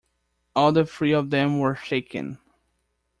All the three of them were shaken.